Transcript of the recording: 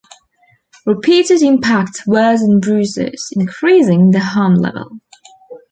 Repeated impacts worsen bruises, increasing the harm level.